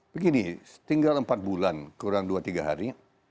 begini tinggal empat bulan kurang dua tiga hari